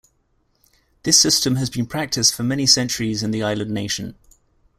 This system has been practised for many centuries in the island nation.